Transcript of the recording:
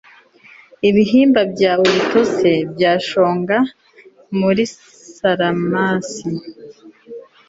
ibihimba byawe bitose byashonga muri salmacis